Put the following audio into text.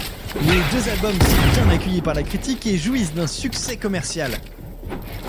Les deux albums sont bien accueilli par la critique et jouissent d'un succès commercial.